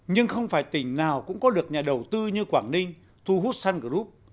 nhưng không phải tỉnh nào cũng có được nhà đầu tư như quảng ninh thu hút sun group